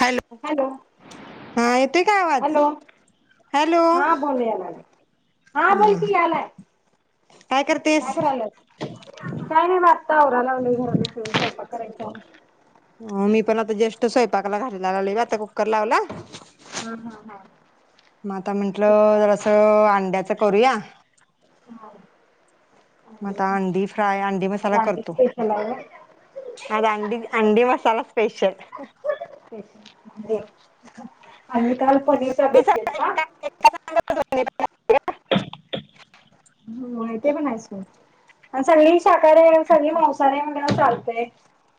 Hello हा येतोय काय आवाज? Hello hello! हा बोल यालाय हा बोल की यायलाय काय काय करतेस करायलास काय नाय [unintelligible] हो मी पण आता जस्ट स्वयंपाकला घालायलाले हे बघ आता कुकर लावला हा हा हा म आता म्हटलं जरास अंड्याच करूया हा म आता अंडी फ्राय अंडी आज मसाला अंडी करतो स्पेशल आहे व्हय आज अंडी स्पेशल अंडी मसाला स्पेशल [unintelligible] पनीरचा बेत केलता रिकामा ऑडिओ होय ते पण हायच की आणि ली शाकारारी हाय सगळी मांसाहारी हाय म्हणल्यावर चाल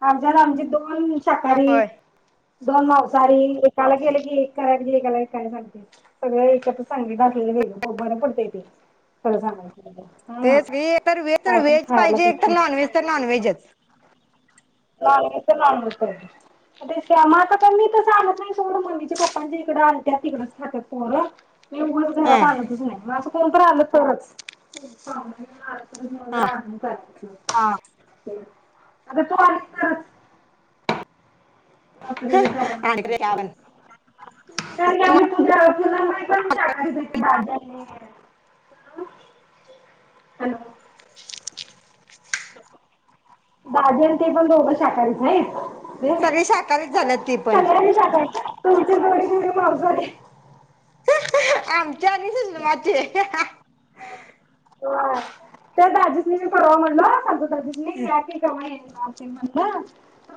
आमच्यात आमची कोण शाकाहारी? होय दोन मांसाहारी एकाला केले की एक करायला कि एकाला एकायला सांगते सगळ एकत्रच सांगितलेले वेगळं बरं पडतेय ते. काय सांगलाय? म्हणजे हा तेच तर तर व्हेज खायला पाहिजे एक भेटतं. तर नॉन व्हेज तर नॉनव्हेजच. लाल ते मग आता पण मी तस आणत नाही सोड मम्मीचे पप्पच्या इकडें आणतात तिकडच खातात पोर मी उगच हा घरात आणतच नाही म असं कोणत आणलं तरच. हा आणून चालत नाही आग तु आलीस की कार आणि आपण की आम्ही पुजा पूनम ताई पण शाकाहारी होत्या. हॅलो दाजी आणि ते पण दोघं शाकाहारी च हाईत. सगळे शाकाहारी झालं ते पण. थोडी थोडी मांसाहारी आमच्या आणि सुषमाची त्या दाजी सनी मी पररवा म्हणलो संजू या की कवा येणार? या की म्हणलं.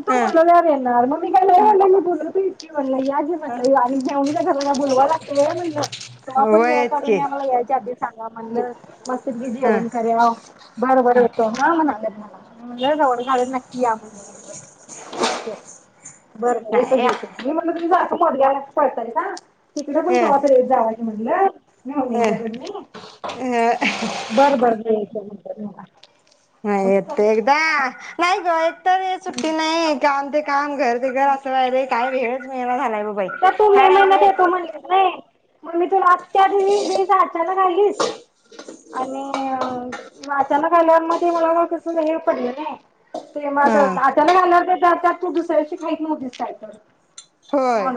तू ह बोलवल्या वर येणार मग मि काय नाही म्हटलं मि बोलवतोय की. म्हणल या म्हटलं आणि मेव्हणी च्या घराला बोलवाय लागतंय व्हय म्हणलं कवा पण वेळ होयच काढून की यायच्या आधी. सांगा म्हणल. मस्त पैकी ह जेवण करुया बरबर येतो ह म्हणाले. म्हणलं सवड काढून नक्की या. बर बर येतो घे मी म्हणलं तुम्ही जात पोरग्याला घेऊन पळतासा इकडं पण ह कव्हा तरी येत जा. म्हणलं. अ [unintelligible] बरं बरं ह ह येतो एकदा नाही ग. एकतर ते सुट्टी नाही काम ते काम घर ते काय अस डायरेक्ट काय रे [inaudible] का तू मे महिन्यात येतु म्हणलीस व्हय [unintelligible] हा [unintelligible] होय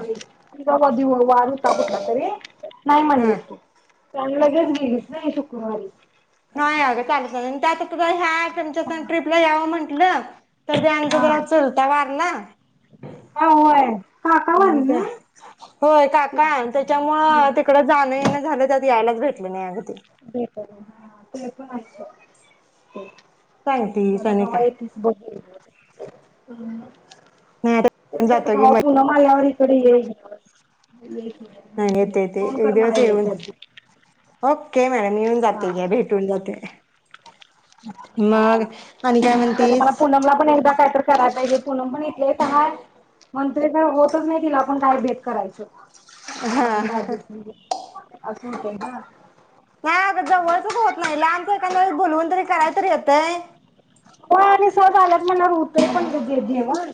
वा वा दिवा वार होता कुठला तरी नाय हा म्हणलीस तू चांगल घर गेलीस नाय शुक्रवारी [unintelligible] त्यांचं ते ट्रीपला यावं म्हण ना हा [unintelligible] हा होय काका वारले ना होय काका हम्म त्याच्यामुळं तिकड जाणं येणं झालं त्यात यायलाच भेट बन्यागत भेटल ना ते पण आयशा ते सांगतीस आता आणि कवा काय येतीस बघू अ नाही जातो की कवा येती ना आयावरी [unintelligible] नाय येते येते एक दिवस येवन आधी ओक पडा येऊन हा जाते घ्या भेटून जातोय आणि काय म्हणतीस पूनमला पण एकदा कायतर करायचय हे पूनम पण येतीय हाय मग ते धावत नाय की हीला पण काय भेट करायच हा असं होतंय गं. नाय आता जवळचच होत नाही लांबच कायतरी बोलवून तरी करायतरी तरी येतंय हो आणि स आल्यात म्हणणार होतय पणे जेवण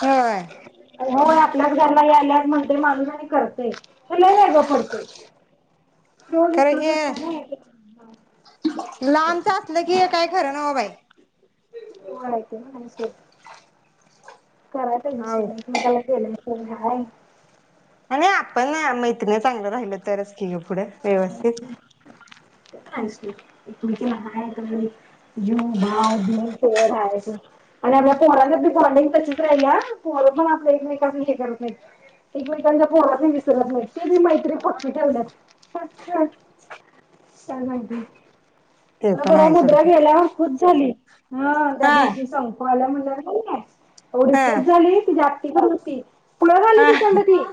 होय हो आपल्याच घरला याला म्हणते माझ नाय करते ते लय वेळग पडतय खर हे लामच असलं की काय ठरनव बाय हो आलते ना माणसे करायचा हो हिशेब एक मेकाला केलंय [inaudible] हाय आणि आपण ना मैत्रिणी चांगल राहिल तरच की येऊ पुढं. व्यवस्थित [unintelligible] तुमची [unintelligible] जू भाव [unintelligible] हाय आणि आपल्या पोहरच्या बॉडंग तच आहे या आणि आपल्या [unintelligible] पण आपलं एकमेकांच हे करत नाही एकमेकांच्या पोहरात विसरत नाही ते बी मैत्री पपी ठवलं अच्छा [unintelligible] ते तर पण बर आहे मुद्रा सोडच गेल्या खुश झाली ह त्या हा दिवशी संपवाल्या म्हण [unintelligible] एवढी हा खुश झाली की जा [unintelligible] होती पुलं झाली हा ती खंड ती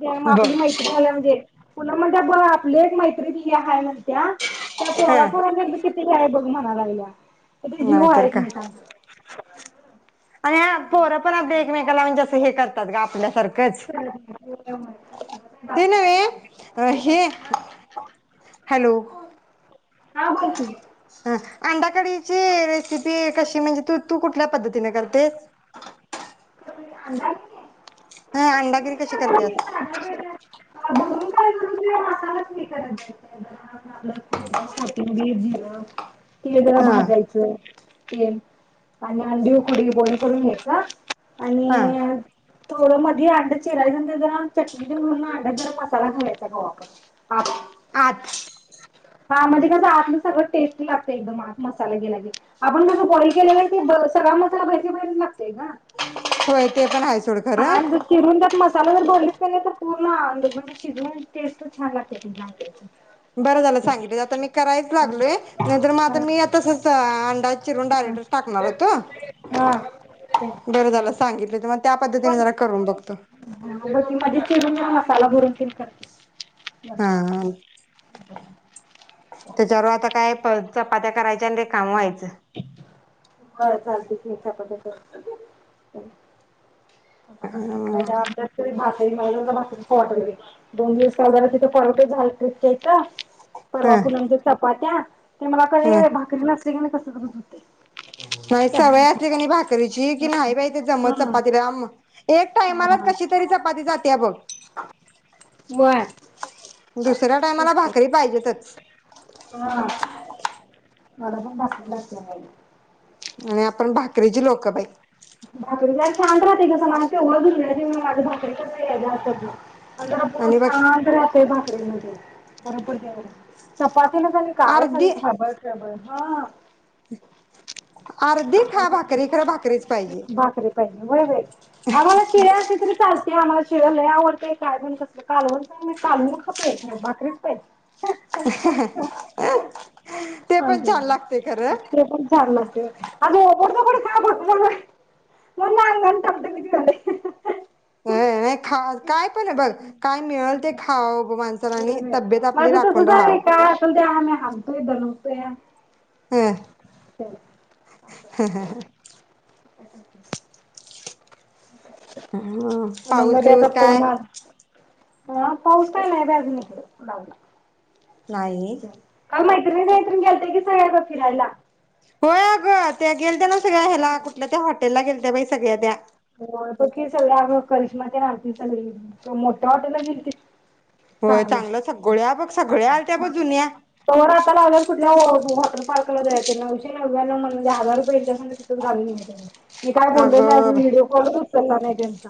ज बघ आपली मैत्री आल्या म्हणजे लंब म्हणजे बर आपली एक मैत्रीणी ते हाय [inaudible] त्या त्या हा पोरापोर [unintelligible] बघ म्हणालायल्या किती जीव नाहीतर आहे काय तुमचा. आणि हा पोरं पण अगदी एकमेकाला म्हणजे जसं हे कर सदग्या आपल्यासार तेच ते नहे हे हॅलो हा बोल की. अंडाकडीची रेसिपी कशी म्हणजे तू तू कुठल्या पद्धतीने करते? [inaudible] ह अंडाकरी कशी करत्यात? [unintelligible] तीळ जरा ह भाजायचे. येन आणि अंडी उखडी बॉईल करून घ्यायचा. हां आणि थोडं मधी अंडा चिरायच ते जरा चटणी च भरून अंडा जिरं मसाला घालायचा गवा आपण आ आठ हा म्हणजे कसं आतलं सगळं टेस्टी लागत एकदम आत मसाला गेला की, आपण कसं बॉईल केलेला की ब सगळा मसाला बाहेर ची बाहिरच लागतय का. होय. ते पण आहे सोड खरं आणि जर चिरून द्यात मसा [unintelligible] म्हणे शिजवून टेस्ट छान लागतेय [unintelligible] बरं झालं सांगितलं आता मी करायच हा. लागलोय नाहीतर माझं हा मी मग आता मी तसच आ अंडा चिरून डायरेक्टच टाकणार होतो हा बरं झालं सांगितलं ते पण [unintelligible] त्याला भरून तिन करतीस. हम हम त्याच्यावर आता काय प चपात्या करायच्या अन् रिकामं व्हायचं. बर चालतंय. [unintelligible] चपात्या [unintelligible] महिस् [unintelligible] पटली दोन दिवस [unintelligible] तिथे परवट झाल टप [inaudible] परवा ह पुनमच्या चपात्या. ते मला ह [unintelligible] भाकरी नसत [unintelligible] [unintelligible] नाही सवय असली कणी भाकरीची की नाही बाई ते जमत मला चपाती ला एक टायमाला कशी तरी चपाती जातेया बघ. व्हय. दुसऱ्या टायमाला भाकरी पाहिजेतच. [unintelligible] मला पण भाकरी लागते बाई. आणि आपण भाकरीची लोकं बाई. [unintelligible] भाकरे जरा छान लागते ग बाई [unintelligible] अन् जरा पोट आणि बघ शांत राहतय भाकरी मध्ये. चपात तेन झालं काय सगळं खळबळ खळबळ. हां. आर्धी खा भाकरी, खरं भाकरीच पाहि भाकरीे पाहिजे होय होय आम्हाला शिळ्या असेल तरी चाल ते आम्हाला शिळ्या आवडतय काय पण कसं कालवण काय माहित कालून खातोय भाकरीच पाहि ते पण अवघड छान आहे. लागतय खरं. अगं [unintelligible] खा. [unintelligible] मग मालवण. [unintelligible] अ अ अ खा काय पण ये बघ काय मिळेल ते खावं ब माणसरानी तब्येत आपली माझं राखून तसंच आहे राहावं. का असल ते बलवतया. हां. हा हा हा. [unintelligible] हां म्हणून पाऊस-बिऊस काय? हा पऊस काय नाय बाय अजून इकडं. नाही. काल मैत्रीण-मैत्रीण गेल्त्या की [unintelligible] फीरायला. होय अगं ते गेलत्या ला सगळ्या ह्याला कुठल्या त्या हाॅट त्याला गेलत्या बाई सगळ्या त्या होय बाकी सगळया आम्ही करिश्माचा आण्टीचा [unintelligible] मोठ्या हॉटेलला गेली की. होय चांगलं सगळ्या बघ सगळ्या आलत्या बघ जुन्या कवर आता लावल्यावर कुठल्या. [unintelligible] [unintelligible] वॉटर पार्कला जायचंय नऊशे नव्या म्हणजे हजार रुपये हिच्या संग तिथंच घालवून येऊ दे. मी का बोललो नाही अगं बाई विडिओ कॉल कर कलर आहे ज्यांचा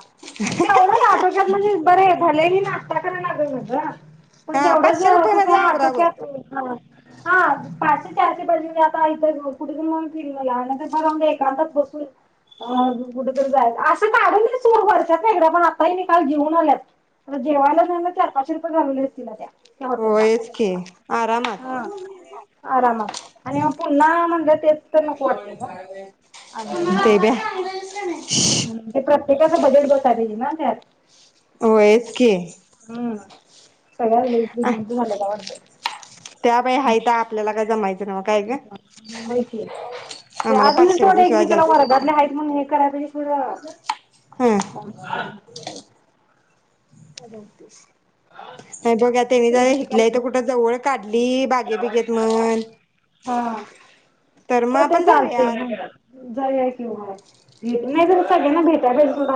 तेवढचं आटोक्यात म्हणजे बरं आहे भलेही नाशता कराय लागलं. [unintelligible] पण हा तेवढंच पाचशे रुपये मध्ये तसं आवरावं आटोक्यात. [unintelligible] हा पाचशे-चारशे पाहिजे आता इथं [unintelligible] कुठरून म फीरीवाला आला तसं [unintelligible] एकांतात बसून आ कुठेतरी जाय असं काढून दे की चोर वर्षात वेगळे पण आताही निकाल जेऊन आल्यात आता जेवायला न्याला की चार पाचशे रु घालले असतील त्या त्या हॉटेलला, होयच की आरामात हा आरामात आणि हा पुन्हा म्हणलं तेच तर नको वाटते ग आणि पुन्हा ते बी [unintelligible] हम्म ते प्रत्येकाचं बजेट बसाय पायजे न त्यात. होयच की हम्म सगळ्या झालय श्रीमंत झाल्या त वाटतं ह [unintelligible] त्या बाई हातं आपल्याला काय जमायंच माहितीये आम्हाला अजून पाचशे थोडं रुपये शिवाय एकमेकेला जास्त वर्गातल्या आहेत म्हणूनी करावे पुरा हं [unintelligible] हॅलो अ बघा तेन्हि जरा हितल्या हित कुठ्ला जवळ ली बागे बिगेत म्हण. हा मग तर ते आपण जाऊयात चालतयं. जाऊ या की, भेट नाही झाली. सगळ्यांना भेटाय पाहिजे सोड.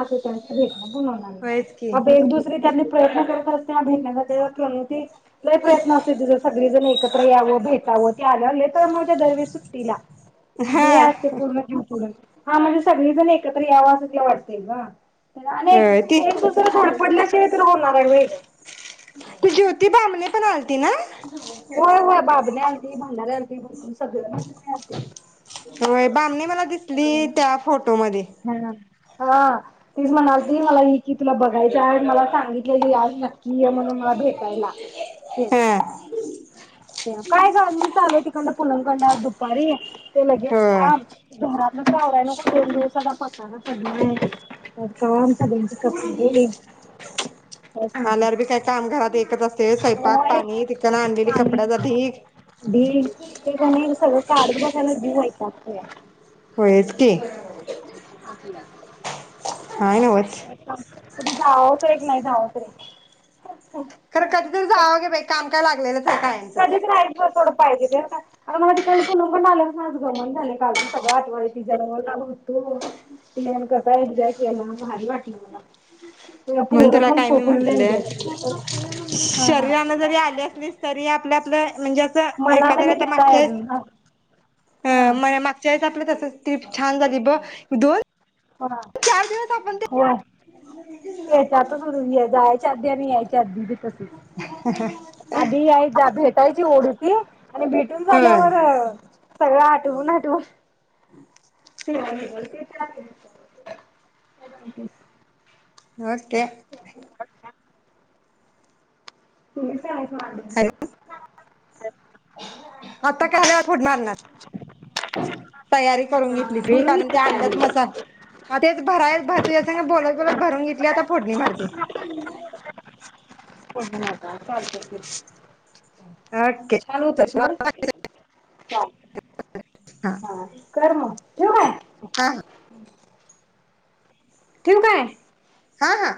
भेट पण होणार नाही. होयच की म एक दुसरी त्यांनी प्रयत्न करत असतीया. भेटण्यासाठी प्रणोती लय प्रयत्न असतय तीझं सगळी जण एकत्र यावं, भेटवं ती आल्यावर लय तळमळतीया दरवेळेस सुट्टी ट्टिला तिझं हा हे असते पूर्ण जीव तोडून हा म्हणजे सगळीजण एकत्र यावं असं ते वाटतय. गं आणि होय ती एक दुसर धडपडल्या शिवाय तर होत होणार हाय व्हय गं ती ज्योती बामणी पण आल तीना होय. होय बाबड्या आलती, भंडारी आलती, भरपूर सगळं मैत्रिणी होय बामणी मला दिसली आलती. त्या फोटो मध्ये हा हा तीच म्हणाल ती मला इ की तुला बघायच हाय मला सांगितलेली, आज नक्की ये म्हणून मला भेटायला. तेन हा ते काय गं मीच आलोय तिकंड पुनम कडनं दुपारी ते लगेच होय काम घरातलं तर आवराय नको दोन दिवसाचा पसारा पडलायं. [inaudible] काय सांगते आल्यार बी काय काम घरात एकच असतयं. होय, पाणी कपड्याचा ढीग भांडी ते कणी सगळं काढत बसायला जीव वैतागतोया. व्हयचं की काय न्हवतं, कुठं जावावं, तर एक नाही जाव तरी खरं कधीतरी जावावं की बाई, काम काय? लागलेलंच आहे [inaudible] कायमचंच कधीच नाही ब सोडतं. पाहिजे ग आता आता मला तिकड पुनमकडंन आल्याबसंन आज गमण झालंय. कालच सगळं आठवाय लागलयं तिच्या घरात होतो. प्लॉन कसा एनजॉय केला भारी वाटलं मला. म्हणुन पोरं तुला पण काय मी फुल म्हंटलं, एन्जॉय केली सोड हा शरीरान जरी आली असलीस तरी आपल्यातलं म्हणजे अस मनाला एखाद्या मी आता तिथं आहे अजून मागच्यावेळी हा [unintelligible] हा हं मागच्यावेळीस आपलं तस ट्रीप छान झाली. बघ दोन हा चार दिवस आपण ते होय, तेच्यातच जायच्या आधी, आणि यायच्या आधी, भी तसच आधी या भेटायची ओढ होती. आणि भेटून होय झाल्यावर सगळं, आठवून आठवून [unintelligible] [unintelligible] तेच ओके.. [unintelligible] [unintelligible] आता [unintelligible] पुढन अणार तयारी करून घेतली ती, की ते भरून घेते अंड्यात चांगली. मसाला तेच भराय तुझ्या संग बोलत. [unintelligible] भरून घेतली आता फोडणी मारते ओके [unintelligible] छान होतयस हा बरं का? हा कर मग ठेवू काय? हा हा.. ठेवू काय? हा हा